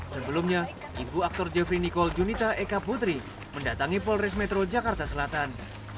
sebelumnya ibu aktor jeffrey nicole junita eka putri mendatangi polres metro jakarta selatan